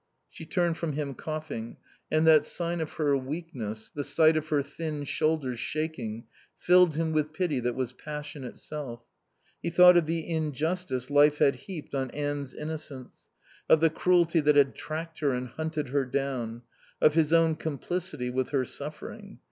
She turned from him coughing, and that sign of her weakness, the sight of her thin shoulders shaking filled him with pity that was passion itself. He thought of the injustice life had heaped on Anne's innocence; of the cruelty that had tracked her and hunted her down; of his own complicity with her suffering.